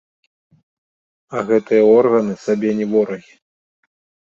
А гэтая органы сабе не ворагі.